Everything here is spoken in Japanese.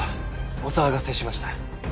お騒がせしました。